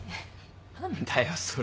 何だよそれ。